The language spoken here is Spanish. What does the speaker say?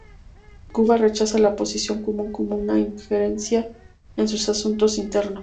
Cuba rechaza la Posición Común como una injerencia en sus asuntos internos.